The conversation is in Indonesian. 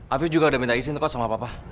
afif juga udah minta izin kok sama papa